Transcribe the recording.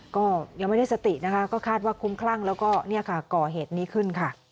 ก็ยังไม่ได้สตินะคะก็คาดว่าคุ้มคลั่งแล้วก็ก่อเหตุนี้ขึ้นค่ะ